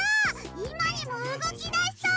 いまにもうごきだしそう！